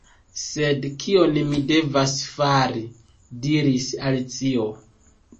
"Sed kion mi devas fari?" diris Alicio.